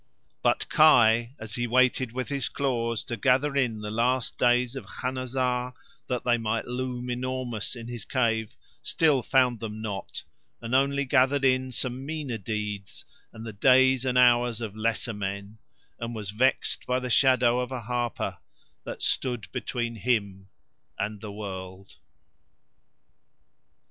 But Kai, as he waited with his claws to gather in the last days of Khanazar that they might loom enormous in his cave, still found them not, and only gathered in some meaner deeds and the days and hours of lesser men, and was vexed by the shadow of a harper that stood between him and the world.